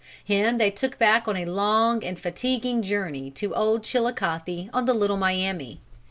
Him they took back on a long and fatiguing journey to Old Chilicothe on the Little Miami.